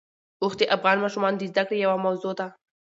اوښ د افغان ماشومانو د زده کړې یوه موضوع ده.